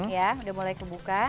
ya udah mulai kebuka